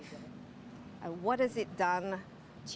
mengubah hidup anda